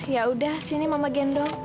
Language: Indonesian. ya udah sini mama gendong